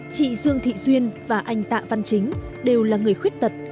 chị dương thị duyên và anh tạ văn chính đều là người khuyết tật